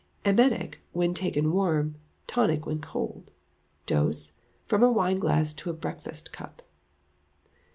Emetic when taken warm; tonic when cold. Dose, from a wine glassful to a breakfast cup.